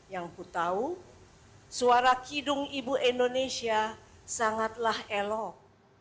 yang ku tahu suara kidung ibu indonesia sangatlah elok